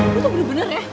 lu tuh bener bener ya